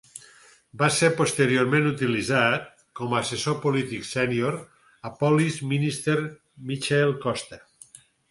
Va ser posteriorment utilitzat com a assessor polític sènior a Police Minister Michael Costa.